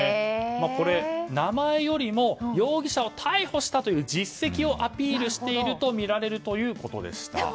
これ、名前よりも容疑者を逮捕したという実績をアピールしているとみられるということでした。